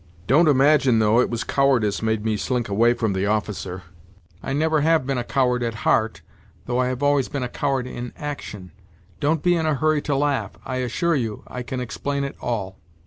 Don't imagine, though, it was cowardice made me slink away from the officer : I never have been a coward at heart, though I have always been a coward in action. Don't be in a hurry to laugh I assure you I can explain it all.